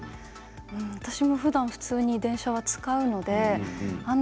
私もふだん普通に電車は使うのであんな